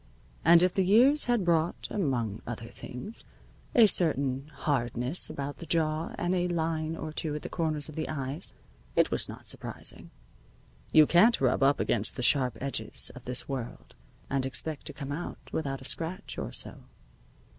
And if the years had brought, among other things, a certain hardness about the jaw and a line or two at the corners of the eyes, it was not surprising. You can't rub up against the sharp edges of this world and expect to come out without a scratch or so.